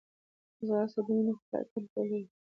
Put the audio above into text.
ځغاسته د وینې فشار کنټرولوي